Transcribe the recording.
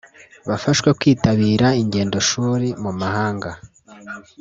bafashwe kwitabira ingendo shuri mu mahanga